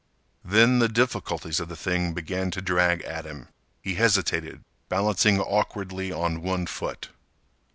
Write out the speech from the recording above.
Then the difficulties of the thing began to drag at him. He hesitated, balancing awkwardly on one foot.